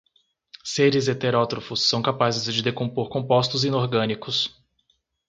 Seres heterótrofos são capazes de decompor compostos inorgânicos